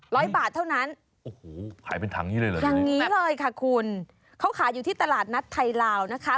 ร้อยบาทเท่านั้นอย่างนี้เลยค่ะคุณเขาขายอยู่ที่ตลาดนัดไทยลาวนะคะ